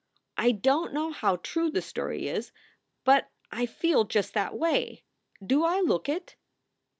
I don t know how true the story is, but I feel just that way. Do I look it?"